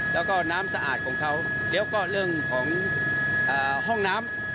แล้วก็น้ำสะอาดของเขาแล้วก็เรื่องของห้องน้ำ